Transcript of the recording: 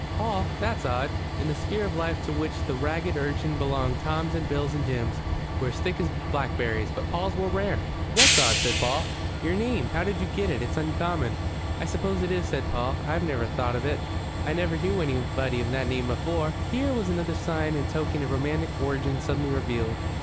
"Paul? That's odd." In the sphere of life to which the ragged urchin belonged Toms and Bills and Jims were as thick as blackberries, but Pauls were rare. "What's odd?" said Paul. "Your name. How did you get it? It's uncommon." "I suppose it is," said Paul. "I never thowt of it. I never knew anybody of that name afore." Here was another sign and token of romantic origin suddenly revealed.